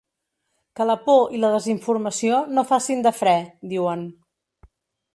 Que la por i la desinformació no facin de fre, diuen.